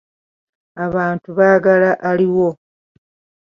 Abantu baagala aliwo.